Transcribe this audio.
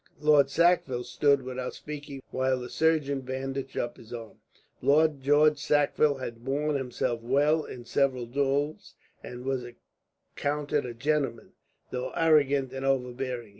[Illustration: Lord Sackville stood without speaking, while the surgeon bandaged up his arm] Lord George Sackville had borne himself well in several duels, and was accounted a gentleman, though arrogant and overbearing.